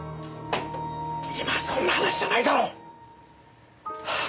今そんな話じゃないだろう！はあ。